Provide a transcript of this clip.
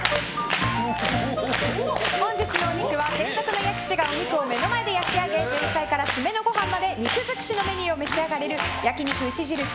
本日のお肉は、専属の焼き師がお肉を目の前で焼き上げ前菜から締めのごはんまで肉尽くしのメニューを召し上がれる焼肉牛印